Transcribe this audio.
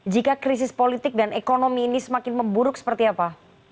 jika krisis politik dan ekonomi ini semakin memburuk seperti apa